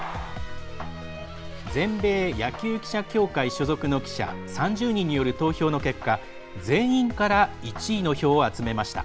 全米野球記者協会所属の記者３０人による投票の結果全員から１位の票を集めました。